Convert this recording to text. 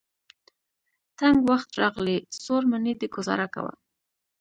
تنګ وخت راغلی. څوړ منی دی ګذاره کوه.